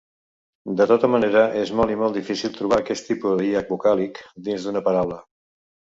De tota manera, és molt i molt difícil trobar aquest tipus de hiat vocàlic dins d'una paraula.